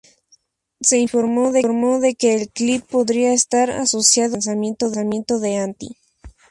Se informó de que el clip podría estar asociado con el lanzamiento de Anti.